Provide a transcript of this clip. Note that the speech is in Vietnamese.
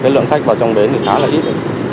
cái lượng khách vào trong bến thì khá là ít